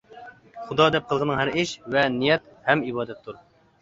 خۇدا دەپ قىلغىنىڭ ھەر ئىش، ۋە نىيەت ھەم، ئىبادەتتۇر.